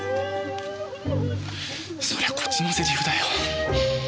そりゃこっちのセリフだよ。